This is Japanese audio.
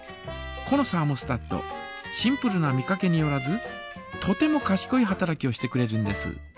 このサーモスタットシンプルな見かけによらずとてもかしこい働きをしてくれるんです。